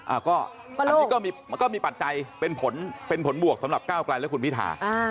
อันนี้ก็มีปัจจัยเป็นผลเป็นผลบวกสำหรับก้าวกลายและคุณพิธา